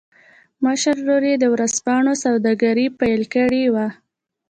مشر ورور يې د ورځپاڼو سوداګري پیل کړې وه